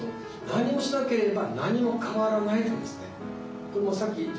何もしなければ何も変わらないということですね。